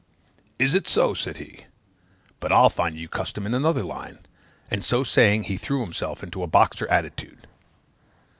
'Is it so?' said he, 'but I'll find you custom in another line;' and so saying, he threw himself into a boxing attitude.